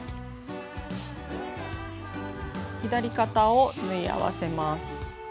左肩を縫い合わせます。